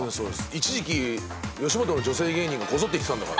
一時期吉本の女性芸人がこぞって行ってたんだから。